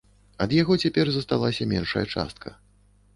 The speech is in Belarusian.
Ад яго цяпер засталася меншая частка.